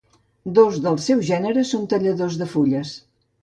Dos dels seus gèneres són talladors de fulles.